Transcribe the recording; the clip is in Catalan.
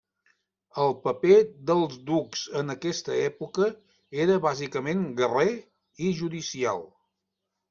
El paper dels ducs en aquesta època era bàsicament guerrer i judicial.